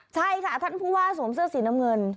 ใช่ค่ะท่านผู้ว่าสวมเสื้อสีน้ำเงิน